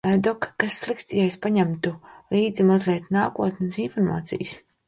Dok, kas slikts, ja es paņemtu līdzi mazliet nākotnes informācijas?